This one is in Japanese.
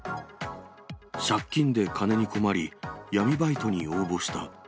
借金で金に困り、闇バイトに応募した。